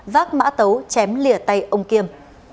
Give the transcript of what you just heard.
vác mã tấu chém lìa tay ông kiêm